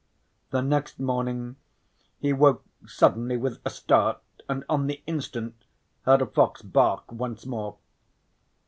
The next morning he woke suddenly with a start and on the instant heard a fox bark once more.